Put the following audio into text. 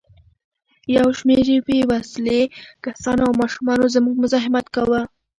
یو شمېر بې وسلې کسانو او ماشومانو زموږ مزاحمت کاوه.